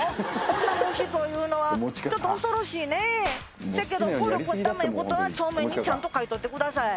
女の人いうのはちょっと恐ろしいねせやけど暴力はダメいうことは帳面にちゃんと書いといてください